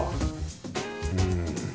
うん。